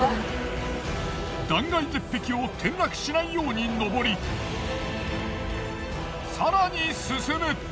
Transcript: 断崖絶壁を転落しないように登り更に進む！